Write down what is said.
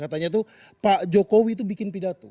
katanya tuh pak jokowi tuh bikin pidato